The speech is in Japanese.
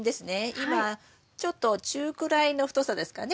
今ちょっと中くらいの太さですかね。